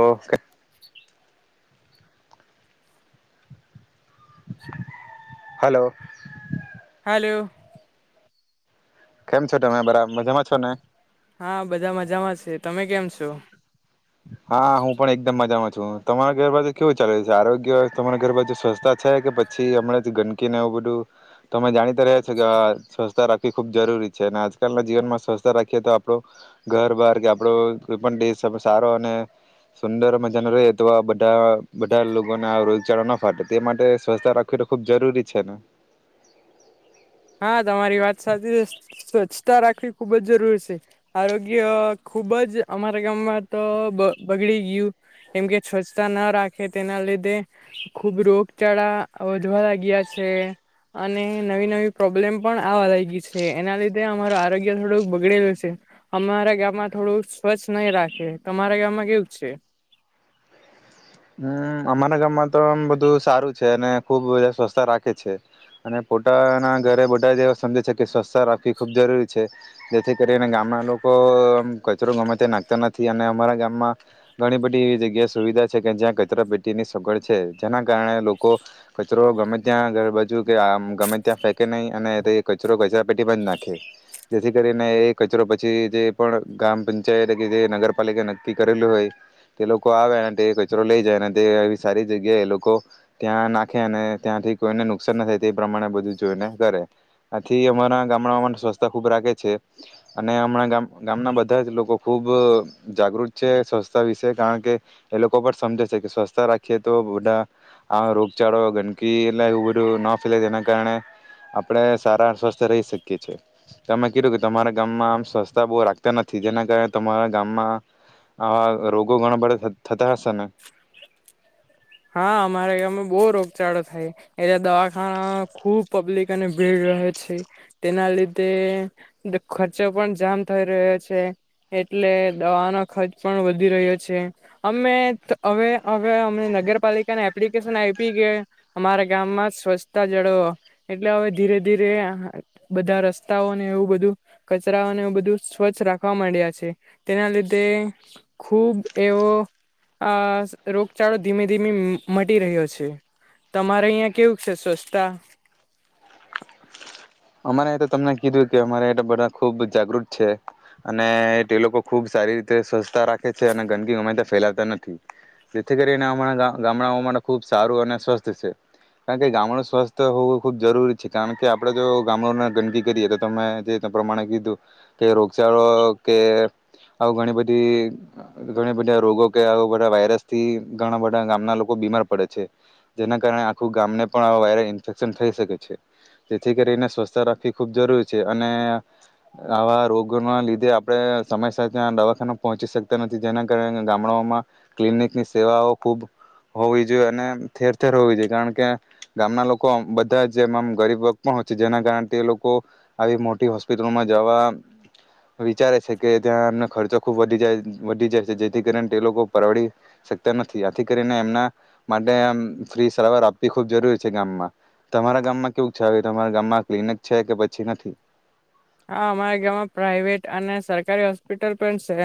Okay. Hello. હલોલો. કેમ છો તમે બરાબ મજામાં છો ને. હા બધા મજામાં છે તમે કેમ છો. હા હું પણ એકદમ મજામાં તમારા ઘર બાજુ કેવું ચાલે છે આરોગ્ય તમારા ઘર બાજુ સ્વચ્છ છે કે પછી હમણાં ગંદકીને એવું બધું તમે જાણીતા રહ્યા છો કે સ્વચ્છતા રાખવી ખુબ જરૂરી છે અને આજકાલ ના જીવનમાં સ્વચ્તા રાખીએ તો આપડો ઘર બાર કે આપડો કોઈ પણ દેશ. સારો અને સુંદર મજાનો ર તો આ બધા બધા લોકોને આ રોજચાળો ના ફાટે તે માટે સ્વચ્છતા રાખવી તો ખૂબ જરૂરી છે ને. હા તમારી વાત સાચી છે સ્વચ્છતા રાખવી ખૂબ જ જરૂર છે આરોગ્ય ખુબ જ અમારા ગામમાં તો બગડી ગયું કેમકે સ્વચ્છતા ન રાખે તેના લીધે ખૂબ રોગચાળા વધવા ગયા છે અને નવી નવી. પ્રોબ્લેમ પણ આવા લાગી છે એના લીધે અમારું આરોગ્ય થોડું બગડેલું છે અમારા ગામમાં થોડુંક સ્વચ્છ નહીં રાખે તમારા ગામમાં કેવું છે. હમ અમારા ગામમાં તો આમ બધું સારું છે અને ખુબ બધા સ્વચ્છતા રાખે છે અને પોતાના ઘરે બધા જે સમજે છે કે સ્વચ્છતા રાખવી ખૂબ જરૂરી છે જેથી કરીને ગામના લોકો કચરો ગમે તે નાખતા નથી અને અમારા ગામમાં ઘણી બધી જગ્યા સુવિધા. જ્યાં કચરા પેટીની સગવડ છે જેના કારણે લોકો કચરો ગમે ત્યાં ગર બાજુ કે આમ ગમે ત્યાં ફેકે નહીં અને કચરો કચરા પેટીમાં જ નાખે જેથી કરીને એ કચરો પછી જે પણ ગ્રામ પંચાયત કે જે નગરપાલિકા નક્કી કરેલું હોય તે લોકો આવે. કચરો લઈ જાય તે આવી સારી જગ્યા એ લોકો ત્યાં નાખે અને ત્યાંથી કોઈને નુકસાન ના થાય તે પ્રમાણે બધું જોઈને કરે આથી અમારા ગામડા સ્વચછતા ખૂબ રાખે છે અને હમણાં ગામ ગામના બધા જ લોકો ખૂબ જાગૃત છે સ્વચ્છતા વિશે કારણ કે એ લોકો. કોબ સમજ. સ્વસ્થતા રાખીએ તો બુઢા. આ રોગચાળો ગંદકી એટલે બું ના ફેલે તેના કારણે આપણે સારા સ્વસ્થ રહી શકીએ છીમે કીધું કે તમારા ગામમાં આમ સ્વચછતા બહુ રાખતા નથી જેના કારણે તમારા ગામમાં આવા રોગો ઘણ બધા. ત સના. હા અમારા ગમાં બહુ રોગચાળો થાય એલે દવાખાના ખુબ પબ્લિક અને ભીડ રહ્યો છે તેના લીધે ખર્ચો પણ જામ થઈ રહ્યો છે એટલે દવાનો ખર્ચ પણ વધી રહ્યો છે અમે હવે હવે અ નગર. પાલિકાને એપ્લિકેશન આપી કે અમારા ગામમાં સ્વચ્છતા જળવો એટલે હવે ધીરે ધીરે બધા રસ્તાઓને એવું બધું કચરાઓને એવું બધું સ્વચ્છ રાખવા માંડ્યા છે તેના લીધે ખુબ એવો રોગચળો ધીમે. ધી મટી રહ્યો છે તમારે અહિયાં કેવું છે સ્વસ્તા. અમારે તો તમને કીધું કે અમારે બધા ખુબ જાગૃત છે. અને એ તે લોકોો ખુબ. સારી રીતે સ્વચસ્થતા રાખે છે અને ગંદકી ગમાઈતા ફેલાતા નથી જેથી કરીને હણાં ગામડાંઓ માટે ખૂબ સારું અને સ્વસ્થ છે કારણ કે ગામડું સ્વસ્થ હોવું ખૂબ જરૂરી છે કારણ કે આપણે જો. ગંદકી કરીએ તો તમે જે પ્રમાણે કીધું કે રોગચાળો કે આવ ઘણી બધી ઘણી બધા રોગો કે આવ બધા વાયરસ થી ઘણા બધા ગામના લોકો બીમાર પડે છે જેના કારણે આખું ગામને પણ આ વાયરસ ઇન્ફેક્શન થઈ શકે છે જેથી કરીને. સ્વસ્થ રાખવી ખૂબ જરૂરી છે અને આવા રોગોના લીધે આપણે સમયસ ત્યાં દવાખાના પહોંચી શકતા નથી જેના કારણે ગામડાઓમાં ક્લિનિકની સેવાઓ ખૂબ હોવી જોઈએ અને ઠેર ઠેર હોવી જોઈએ કારણ કે ગામના લોકો બધા જ એમમ ગરીબ વગ પહોંચી. જેના કારણે તે લોકો આવી મોટી હોસ્પિટલોમાં જવા. વિચારે છે, કે ત્યાં એમને ખર્ચો. ખૂબ વધી જાય વધી જાય છે, જેથી કરીને તે લોકો પરવડી શકતા નથી આથી કરીને એમના માટે આમ ફ્રી સારવાર આપવી ખૂબ જરૂરી છે, ગામમાં તમારા ગામમાં કેવું છે. ગામમાં ક્લિનિક છે, કે પછી નથી. હા અમારા ગામમાં પ્રાાઈવેટ અને સરકારી હોસ્પિટલ પણ છે,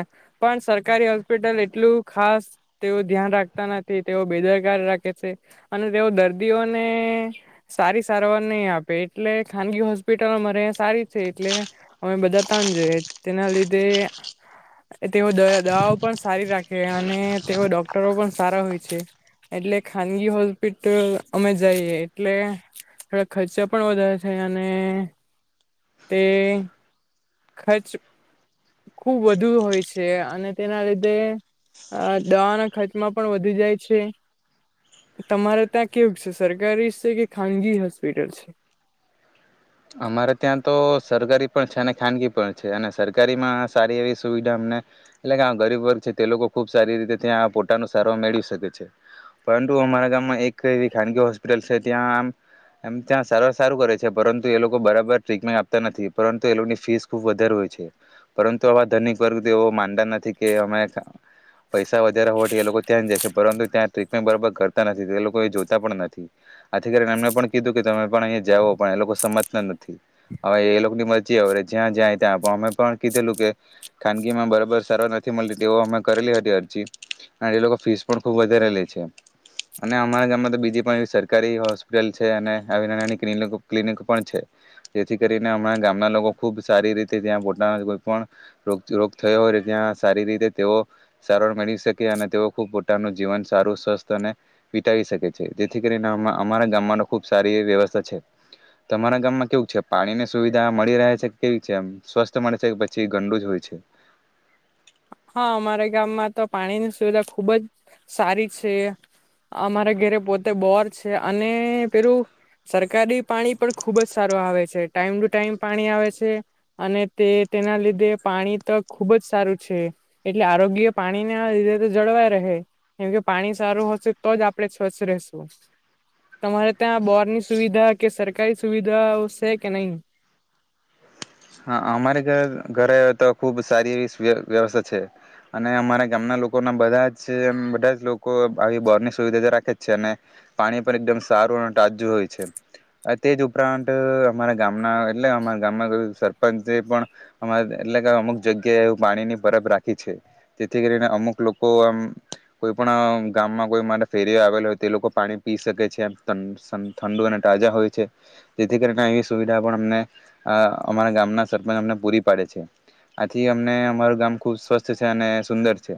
પણ સરકારી હોસ્પિટલ એટલું ખાસ તેઓ ધ્યાન રાખતા નથી તેઓ બેદરકાર રાખે છે, અને તેઓ દર્દીઓને સારી સારવાર નહી આપે એટલે ખાનગી હોસ્પિટલોમાંરે સારી. એટલે અમે બધા ત જ જઈએ તેના લીધે તેઓ દવાઓ પણ સારી રાખે અને તેઓ ડોક્ટરો પણ સારા હોય છે, એટલે ખાનગી હોસ્પિટલ અમે જઈએ એટલે [unintelligible] ખર્ચા પણ વધારે છે, અને. તે. [unintelligible] ખુબ વધુ હોય છે, અને તેના લીધે દવાના ખર્ચમાં પણ વધુ જાય છે, તમારે ત્યાં કેવું છે, સરકારી છે, કે ખાનગી હોસ્પિટલ છે. અમારે ત્યાં તો સરકારી પણ છે અને ખાનગી પણ છે, અને સરકારીમાં સારી એવી સુવિધા અમને એટલે કે આ ગરીબ વર્ગ છે તે લોકો ખુબ સારી રીતે ત્યાં પોતાનું સારવાર મેળવી શકે છે, પરંતુ અમારા ગામમાં એક એવી ખાનગી હોસ્પિટલ છે, ત્યાં આમમ ત્યાં સારવાર સારું કરે છે, પરંતુ. ટ્રીટમેન્ટ આપતા નથી પરંતુ એ લોકોની ફીસ ખુબ વધારે હોય છે, પરંતુ આવા ધનિક વર્ગ તેઓ માનતા નથી કે અમે પૈસા વધારે હોવાથી એ લોકો ત્યાં જ જાય છે, પરંતુ ત્યાં ટ્રીટમેન્ટ બરાબર કરતા નથી લોકો એ જોતા પણ નથી આથી કરીને એમને પણ કીધું કે તમે પણ અહીંયા જાઓ પણ એ લોકો. સમજતા નથી હવે એ લોકોની [unintelligible] જ્યાં જ્યાં ત્યાં પણ અમે પણ કીધેલું કે ખાનગીમાં બરાબર સારવાર નથી મળતી તેઓ અમે કરેલી હતી અરજી અને એ લોકો ફીસ પણ ખૂબ [unintelligible] છે, અને અમારા ગામમાં તો બીજી પણ એવી સરકારી હોસ્પિટલ છે, અને આવી નાનાની ક્લનિક ક્લિનિક. જેથી કરીને અમારા ગામના લોકો ખુબ સારી રીતે ત્યાં પોતાનો કોઈ પણ રોગ થયો હોય ત્યાં સારી રીતે તેઓ સારવાર મેળવી શકે અને તેઓ ખૂબ પોતાનું જીવન સારું સ્વસ્થ અને [unintelligible] શકે છે, જેથી કરીને અમારા ગામમાંનો ખુબ સારી એ વ્યવસ્થા છે. તમારા ગામમાં કેવું છે, પાણીની સુવિધા મળી રહે છે, કે કેવી છેમ સ્વસ્થ મળે છે, કે પછી ગંડું જ હોય છે. હા અમારા ગામમાં તો પાણીની સુવિધા ખુબ જ સારી છે, અમારા ઘરે પોતે બોર છે, અને પેલું સરકારી પાણી પણ ખુબ જ સારું આવે છે, ટાઈમ ટુ ટાઈમ પાણી આવે છે, અને તે તેના લીધે પાણી તો ખુબ જ સારું છે. એટલે આરોગ્ય પાણીને રીધે જળવાય રહે કેમ કે પાણી સારું હશે તો જ આપણે સ્વચ્છ રશું તમારે ત્યાં બોરની સુવિધા કે સરકારી સુવિધા છે, કે નહી. હા અમારે ઘર ઘરે તો ખુબ સારી એવી વ્યવસ્થા છે, અને અમારા ગામના લોકોના બધા જ બધા જ લોકો આવી બોર ની સુવિધા તો રાખે જ છે, અને પાણી પણ એકદમ સારું અને તાજું હોય છે, તે જ ઉપરાંત અમારા ગામના એટલે અમારા ગામમાં સર એટલે કે અમુક જગ્યાએ એવું પાણીની [unintelligible] રાખી છે, જેથી કરીને અમુક લોકો આમ કોઈ પણ ગામમાં કોઈ અરે ફેરીઓ આવેલા હોય તે લોકો પાણી પી શકે છે, ઠંડુ અને તાજા હોય છે, જેથી કરીને એવી સુવિધા પણ અમને અમારા ગામ. સરપંચ અમને પૂરી પાડે છે, આથી અમને અમારું ગામ ખુબ સ્વસ્થ છે, અને સુંદર છે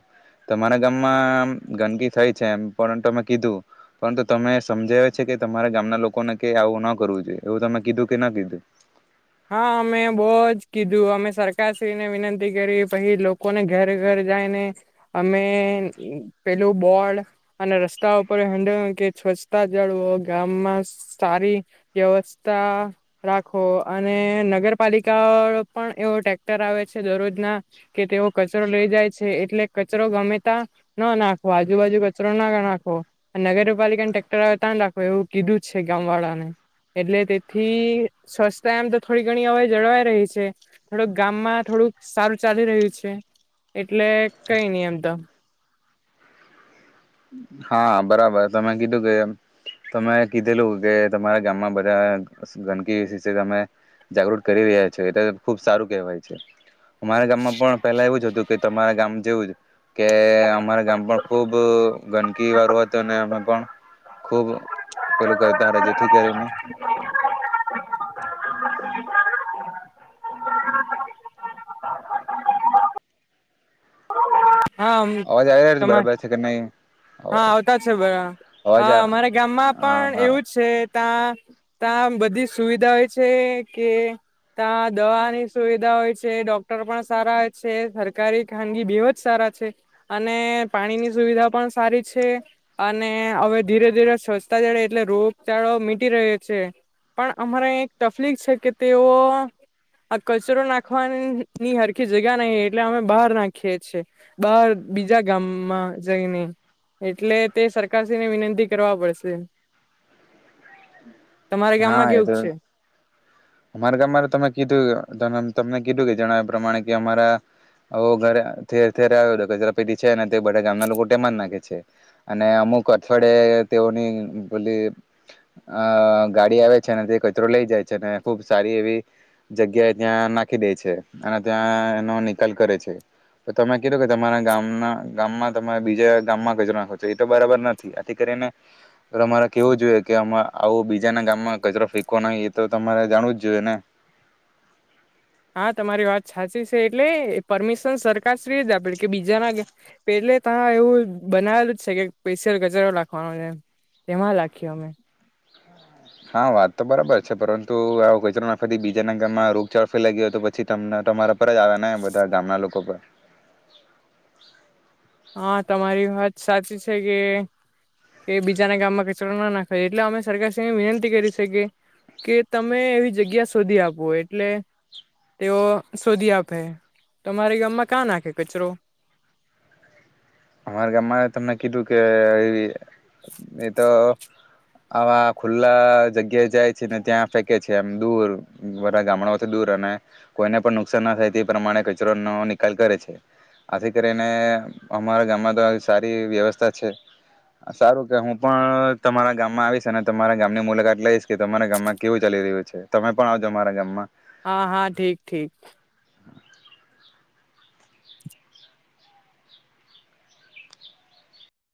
તમારા ગામમાં ગંદકી થાય છે, એમ પરંતુ અમે કીધું પરંતુ તમે સમજાવે છે, કે તમારા ગામના લોકોને કે આવું ન કરવું જોઈએ એવું તમે કીધું કે ના કીધું. હા અમે બહજ કીધું અમે સરકારશ્રીને વિનંતી કરી પછી લોકોને ઘરે ઘર જઈને અમે પેલું બોડ અને રસ્તા ઉપર [unintelligible] કે સ્વચ્તા જળવો ગામમાં સારી વ્યવસ્થા રાખો. અને નગરપાલિકા પણ એવો ટ્રેક્ટર આવે છે, દરરોજ ના કે તેઓ કચરો લઇ જાય છે, એટલે કચરો ગમે ત ના નાખવાો આજુબાજુ કચરો ના નાખવો નગરપાલિકાને ટ્રેક્ટર આવે ત નાખવો એવું કીધું છે, ગામ વાળા ને એટલે તેથી સ્વસ્થ. એમ તો થોડી ઘણી હવાઈ જળવાઈ રહી છે, થોડુંક ગામમાં થોડુંક સારું ચાલી રહ્યું છે, એટલે કઈ નહી એમ તો. હા બરાબર તમે કીધું કે તમે કીધેલું કે તમારા ગામમાં બધા ગંદકી તમે જાગૃત કરી રહ્યા છો એટલે ખુબ સારું કેહેવાય છે. અમારા ગામમાં પણ પેલા એવું જ હતું. તમારા ગામ જેવું જ. કે અમારા ગામ પણ ખુબ. [inaudible] પણ ખૂબ પેલું કરતા જેથી કરીને. હા અવાજ આવી છે, તમા બરાબર છે, કે નહી. હા અવાજ આવતા છે, અવાજ બા અમારા ગામમાં પણ હા એવું જ છે. ત્યાં ત્યાં બધી સુવિધા હોય છે, કે ત્યા દવાની સુવિધા હોય છે ડોક્ટર પણ સારા હોય છે, સરકારી ખાનગી બે જ સારા છે, અને પાણીની સુવિધા પણ. સારી છે, અને હવે ધીરે ધીરે સ્વચતા જે એટલે રોગચળો મીટી રહ્યો છે, પણ અમારે એક [unintelligible] છે, કે તેઓ આ કચરો નાખવાની હરખી જગા નહી એટલે અમે બહાર નાખીએ છેીએ બહાર બીજા ગામમાં જઈને. એટલે તે સરકારશ્રી ને વિનંતી કરવા પડશે. તમારા હા ગામમાં એ કેવું તો છે. અમારા ગામમાં તમે કીધું તમને કીધું કે જણાવ એ પ્રમાણે કે અમારા ઘરે ઠેર ઠેરે આવ્યો કચરા પેટી છે, ને તે બધા ગામના લોકો ટેમા જ નાખે છે, અને અમુક અઠવાડે તેઓની બલી અ ગાડી આવે છે, ને તે કચરો લઈ જાય છે, ને. ખુબ સારી એવી જગ્યાએ ત્યાં નાખી દે છે અને ત્યાં એનો નિકાલ કરે છે, તો તમે કીધું કે તમારા ગામના ગામમાં તમામે બીજા ગામમાં કચરો નાખો છો એ તો બરાબર નથી આથી કરીને તમારે કેવું જોઈએ કે આવું બીજાના ગામમાં કચરો ફેંવ નહી એ તો તમારે. જાણવું જ જોઈએ ને. હા તમારી વાત સાચી છે, એટલે પરમિશન સરકાર શ્રી જ આપે કે બીજાના પેલે ત એવું બનાવેલું જ છે, કે સોશિયલ ગચારો લખવાનો છે, તેમાં લખીએ અમે. હા વાત તો બરાબર છે, પરંતુ કોઈચર વ બીજાના ગામમાં રોગચાળ ફેલા ગયો હોય તો પછી તમને તમારા. ઉપર જ [unintelligible] ને બધા ગામના લોકો પર. હા તમારી વાત સાચી છે, કે કે બીજાના ગામમાં કચરો ના નાખે એટલે અમે સરકારશ વિનંતી કરી શ કે કે તમે એવી જગ્યા શોધી આપો એટલે તેઓ શોધી આપે તમારા ગામમાં ક્યા નાખે કચરો. અમારા ગામમાં તમને કીધું કે એ તો આવા ખુલ્લા જગ્યાએ જાય છે, ને ત્યાં ફેંકે છે, એમ દૂર બધા ગામડાઓથી દૂર અને કોઈને પણ નુકસાન ના થાય તે પ્રમાણે [unintelligible] નિકાલ કરે છે, આથી કરીને. અમારા ગામમાં તો સારી વ્યવસ્થા છે સારું કે હું પણ તમારા ગામમાં આવીશ અને તમારા ગામની મુલાકાત લઈશ કે તમારા ગામમાં કેવું ચાલી રહ્યું છે તમે પણ આવજો અરા ગામમાં. હા હા ઠીક ઠીક.